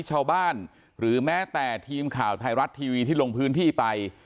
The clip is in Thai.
หรือแม้แต่ทีมข่าวไทยรัฐทีวีที่ลงพื้นที่ไป